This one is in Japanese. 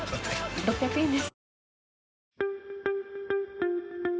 ６００円です。